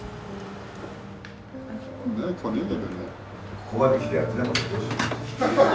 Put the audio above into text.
ここまで来てやってなかったらどうしよう。